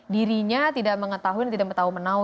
dirinya tidak mengetahui tidak tahu menau